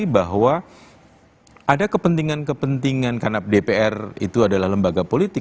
bahwa ada kepentingan kepentingan karena dpr itu adalah lembaga politik